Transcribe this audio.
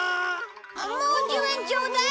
もう１０円ちょうだい。